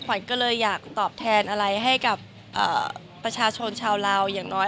ขวัญก็เลยอยากตอบแทนอะไรให้กับประชาชนชาวลาวอย่างน้อย